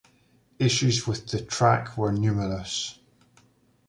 Issues with the track were numerous.